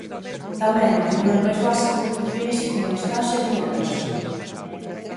Tamén a un nivel máis básico defínese como a instancia dunha clase.